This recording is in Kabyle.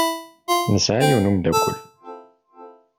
Nesɛa yiwen wemdakel.